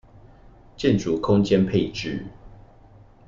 建築空間配置